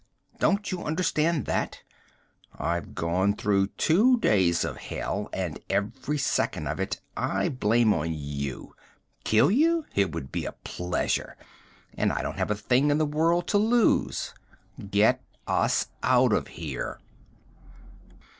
Don't you understand that? I've gone through two days of hell and every second of it I blame on you. Kill you? It would be a pleasure and I don't have a thing in the world to lose! Get us out of here!"